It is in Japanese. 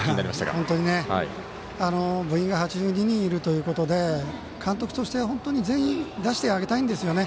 本当に部員が８２人いるということで監督としては本当に全員、出してあげたいんですよね。